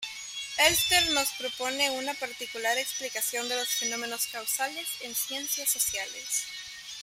Elster nos propone una particular explicación de los fenómenos causales en ciencias sociales.